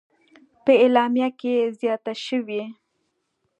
په اعلامیه کې زیاته شوې: